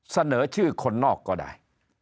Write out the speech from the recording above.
เสนอชื่อคนนอกก็ได้